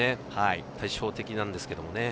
対照的なんですけどね。